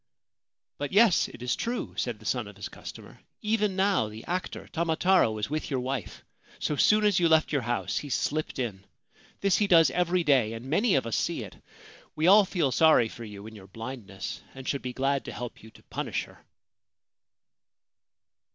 ' But yes : it is true/ said the son of his customer. 'Even now the actor Tamataro is with your wife. So soon as you left your house he slipped in. This he does every day, and many of us see it. We all feel sorry for you in your blindness, and should be glad to help you to punish her.'